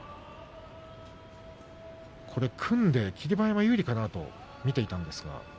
これは組んで霧馬山有利かなと見ていたんですが。